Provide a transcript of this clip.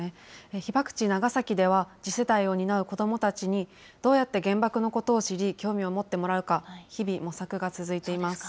被爆地、長崎では次世代を担う子どもたちに、どうやって原爆のことを知り、興味を持ってもらうか、日々、模索が続いています。